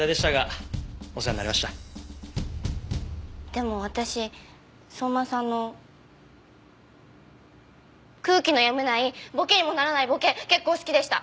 でも私相馬さんの空気の読めないボケにもならないボケ結構好きでした。